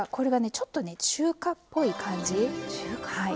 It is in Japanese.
ちょっと中華っぽい感じになります。